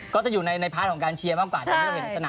ก็จะอยู่ในพาร์ทของการเชียร์มากกว่าอย่างที่เราเห็นในสนาม